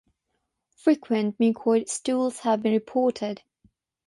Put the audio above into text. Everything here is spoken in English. Frequent mucoid stools have been reported.